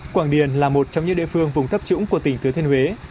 quảng điền là một trong những địa phương vùng thấp trũng của tỉnh thứ thiên huế